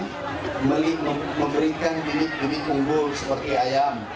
kami datang untuk memberikan bibit bibit unggul seperti ayam